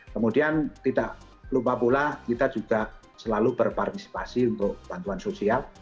kemudian tidak lupa pula kita juga selalu berpartisipasi untuk bantuan sosial